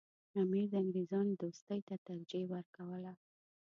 امیر د انګریزانو دوستۍ ته ترجیح ورکوله.